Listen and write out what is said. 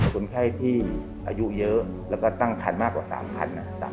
คนไข้ที่อายุเยอะแล้วก็ตั้งคันมากกว่า๓คัน